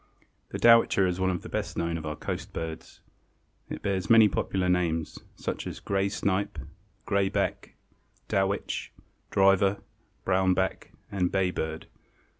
The Dowitcher is one of the best known of our coast birds. It bears many popular names, such as Gray Snipe, Gray back, Dowitch, Driver, Brown back and Bay Bird.